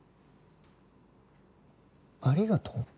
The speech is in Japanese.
「ありがとう」？